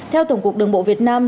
theo tổng cục đường bộ việt nam